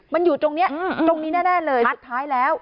มันอยู่ตรงนี้ตรงนี้แน่เลยสุดท้ายแล้ว